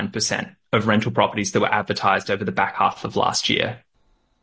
bisa menanggung hanya tiga puluh sembilan perantasan hantar yang diadvertisikan di belakang setengah tahun